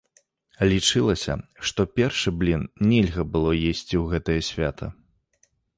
Лічылася, што першы блін нельга было есці ў гэтае свята.